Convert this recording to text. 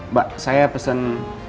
mbak saya pesen